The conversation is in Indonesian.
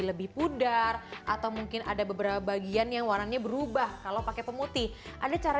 lebih pudar atau mungkin ada beberapa bagian yang warnanya berubah kalau pakai pemutih ada cara